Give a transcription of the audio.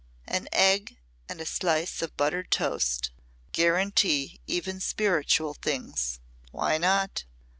"An egg and a slice of buttered toast guarantee even spiritual things. Why not?